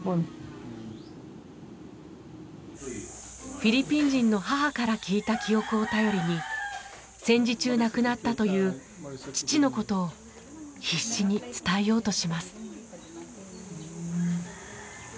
フィリピン人の母から聞いた記憶を頼りに戦時中亡くなったという父のことを必死に伝えようとします。